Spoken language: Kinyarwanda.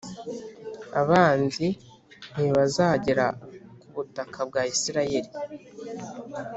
Abanzi ntibazagera ku butaka bwa Isirayeli